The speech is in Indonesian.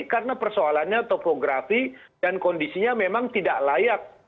karena persoalannya topografi dan kondisinya memang tidak layak